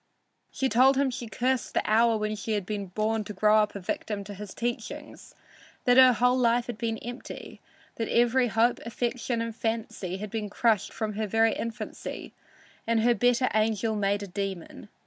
She told him she cursed the hour when she had been born to grow up a victim to his teachings; that her whole life had been empty; that every hope, affection and fancy had been crushed from her very infancy and her better angel made a demon.